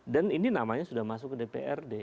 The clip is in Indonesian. dan ini namanya sudah masuk ke dprd